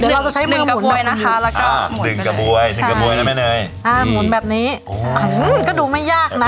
เดินกระบวยก็ดูไม่ยากนะ